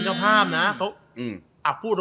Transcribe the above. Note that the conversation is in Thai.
เพราะว่าเป็นเจ้าภาพนะ